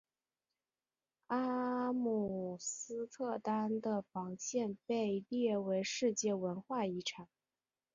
阿姆斯特丹的防线被列为世界文化遗产。